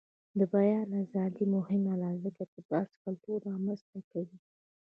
د بیان ازادي مهمه ده ځکه چې د بحث کلتور رامنځته کوي.